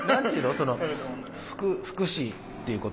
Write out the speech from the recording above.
その福祉っていうこと？